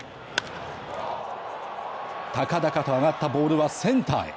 高々と上がったボールはセンターへ。